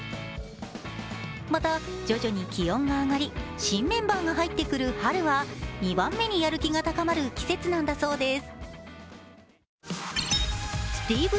また、徐々に気温が上がり、新メンバーが入ってくる春は２番目にやる気が高まる季節なんだそうです。